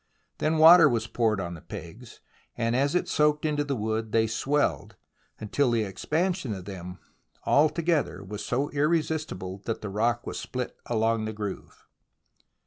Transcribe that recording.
Then water was poured on the pegs, and as it soaked into the wood they swelled, until the expansion of them all together was so irresistible that the rock was split along the groove.